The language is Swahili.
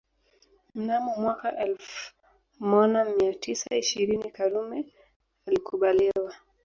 Mnamo mwaka elfu Mona mia tisa ishirini Karume alikubaliwa